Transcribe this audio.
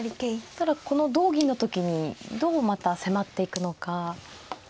ただこの同銀の時にどうまた迫っていくのか。